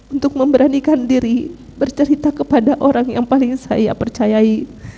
untuk memberanikan diri bercerita kepada orang yang paling saya percayai